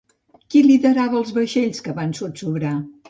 Qui liderava els vaixells que van sotsobrar?